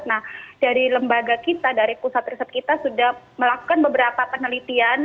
nah dari lembaga kita dari pusat riset kita sudah melakukan beberapa penelitian